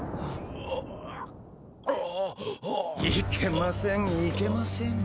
いけませんいけません。